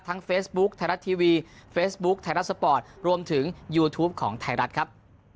เฟซบุ๊คไทยรัฐทีวีเฟซบุ๊คไทยรัฐสปอร์ตรวมถึงยูทูปของไทยรัฐครับ